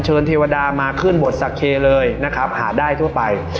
เทวดามาขึ้นบทสักเคเลยนะครับหาได้ทั่วไป